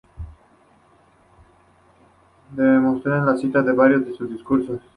Demóstenes le cita en varios de sus "Discursos".